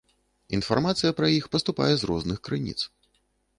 Інфармацыя пра іх паступае з розных крыніц.